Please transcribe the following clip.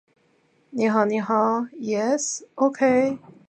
The software is, however, distributed worldwide.